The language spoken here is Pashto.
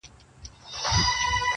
شمع ده چي مړه سي رڼا نه لري -